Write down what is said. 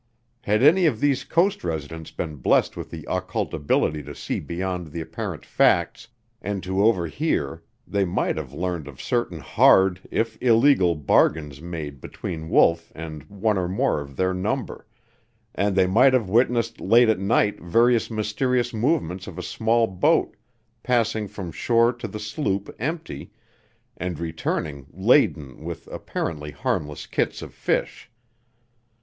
Had any of these coast residents been blessed with the occult ability to see beyond the apparent facts, and to overhear, they might have learned of certain hard, if illegal, bargains made between Wolf and one or more of their number, and they might have witnessed late at night various mysterious movements of a small boat passing from shore to the sloop empty, and returning laden with apparently harmless kits of fish.